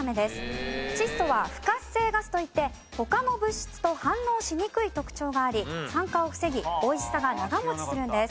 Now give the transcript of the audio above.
窒素は不活性ガスといって他の物質と反応しにくい特徴があり酸化を防ぎ美味しさが長持ちするんです。